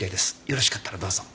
よろしかったらどうぞ。